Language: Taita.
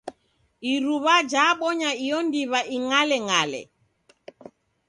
Iruw'a jabonya iyo ndiw'a ing'aleng'ale.